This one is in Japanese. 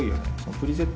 プリセット